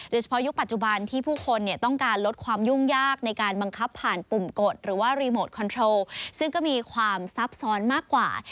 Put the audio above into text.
ยุคปัจจุบันที่ผู้คนต้องการลดความยุ่งยากในการบังคับผ่านปุ่มกฎหรือว่ารีโมทคอนโทรซึ่งก็มีความซับซ้อนมากกว่า